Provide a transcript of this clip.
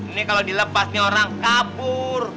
ini kalau dilepas nih orang kabur